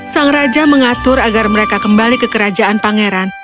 sang raja mengatur agar mereka kembali ke kerajaan pangeran